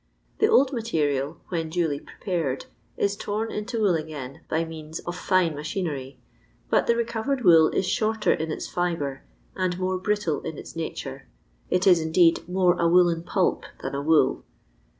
The old material, when duly prepared, is torn into wool again by means of Ane machinery, but the rccovernl wool is shorter in its fibre and more brittle in its nature; it is, indeed, more a woollen pulp than a wool.